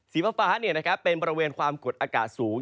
สีฟ้าเป็นบริเวณความกดอากาศสูง